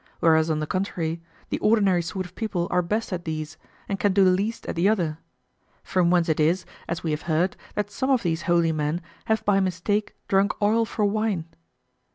Whereas on the contrary, the ordinary sort of people are best at these, and can do least at the other; from whence it is, as we have heard, that some of these holy men have by mistake drunk oil for wine.